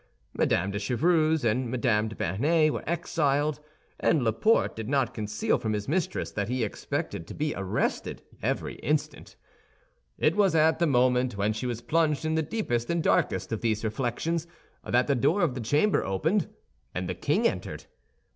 Mme. de Chevreuse and Mme. de Bernet were exiled, and Laporte did not conceal from his mistress that he expected to be arrested every instant. It was at the moment when she was plunged in the deepest and darkest of these reflections that the door of the chamber opened, and the king entered.